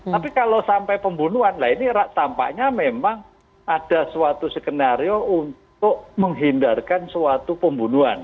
tapi kalau sampai pembunuhan ini tampaknya memang ada suatu skenario untuk menghindarkan suatu pembunuhan